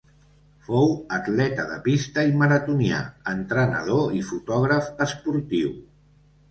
Fou atleta de pista i maratonià, entrenador i fotògraf esportiu.